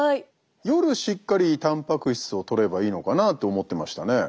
夜しっかりたんぱく質をとればいいのかなと思ってましたねえ。